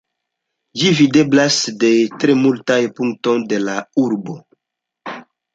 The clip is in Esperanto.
Ĝi videblas de tre multaj punktoj de la urbo.